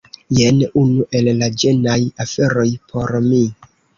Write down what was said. Jen unu el la ĝenaj aferoj por mi